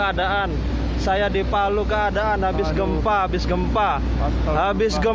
astagfirullahaladzim ya allah